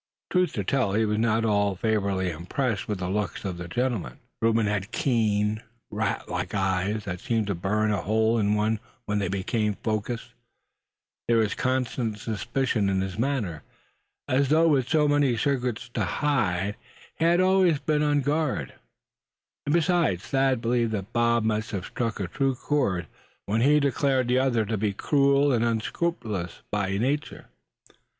Truth to tell, he was not at all favorably impressed with the looks of the gentleman. Reuben had keen, rat like eyes, that seemed to burn a hole in one when they became focused. There was constant suspicion in his manner, as though with so many secrets to hide, he had always to be on guard. And besides, Thad believed that Bob must have struck a true chord when he declared the other to be cruel and unscrupulous by nature.